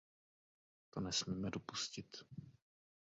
To nesmíme dopustit.